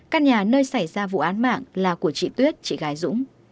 căn nhà nơi xảy ra vụ án mạng là của chị tuyết chị gái dũng